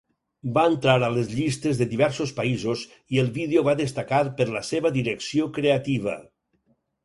Va entrar a les llistes de diversos països i el vídeo va destacar per la seva direcció creativa.